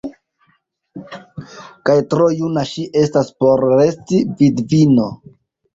Kaj tro juna ŝi estas por resti vidvino!